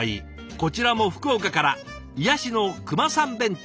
こちらも福岡から「癒やしのクマさん弁当。」。